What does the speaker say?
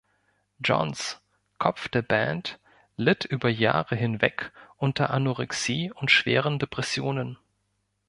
Johns, Kopf der Band, litt über Jahre hinweg unter Anorexie und schweren Depressionen.